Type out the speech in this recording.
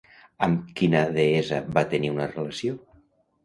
Amb quina deessa va tenir una relació?